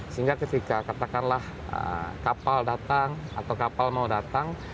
sehingga ketika katakanlah kapal datang atau kapal mau datang